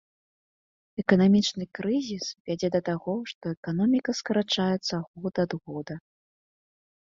Эканамічны крызіс вядзе да таго, што эканоміка скарачаецца год ад года.